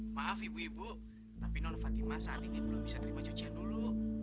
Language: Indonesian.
maaf ibu ibu tapi non fatima saat ini belum bisa terima cucian dulu